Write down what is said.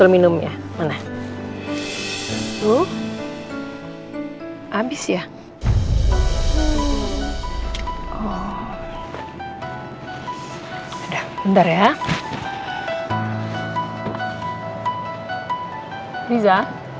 masih ada rasa